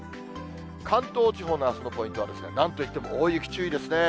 関東地方のあすのポイントは、こちら、なんといっても大雪注意ですね。